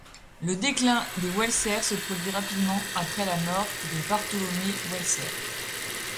Le déclin des Welser se produit rapidement après la mort de Bartholomé Welser.